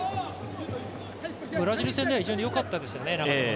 ブラジル戦では非常に良かったですよね、長友。